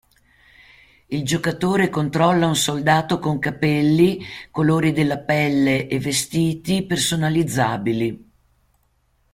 Il giocatore controlla un soldato con capelli, colori della pelle e vestiti personalizzabili.